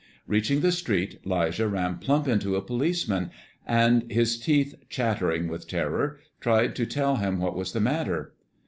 Reaching the street, 'Lijah ran plump into a policeman, and, his teeth chattering with terror, tried to tell him what was the matter.